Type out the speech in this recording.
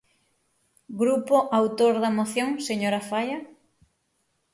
Grupo autor da moción, señora Faia.